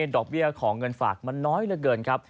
ดอกเบี้ยของเงินฝากมันน้อยเหลือเกินครับ